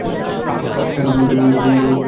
গরীব লোক, কষ্ট করব।